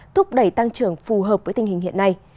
thúc đẩy tăng trưởng phù hợp với tình hình hiện nay